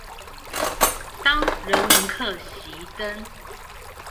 當人文課熄燈